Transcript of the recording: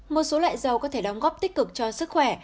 một số loại dầu có thể đóng góp tích cực cho sức khỏe